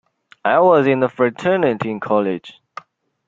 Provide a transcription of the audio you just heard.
I was in a fraternity in college.